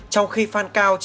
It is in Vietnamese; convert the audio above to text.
trong khi phan cao